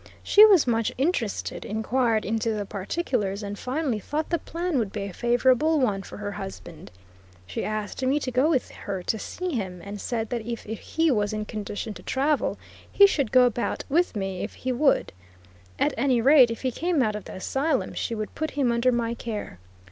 She was much interested, inquired into the particulars, and finally thought the plan would be a favorable one for her husband. She asked me to go with her to see him, and said that if he was in condition to travel he should go about with me if he would; at any rate, if he came out of the Asylum she would put him under my care.